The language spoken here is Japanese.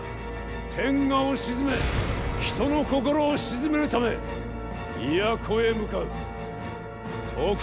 天下を鎮め人の心を鎮めるため都へ向かう。